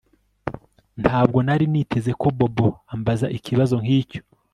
Ntabwo nari niteze ko Bobo ambaza ikibazo nkicyo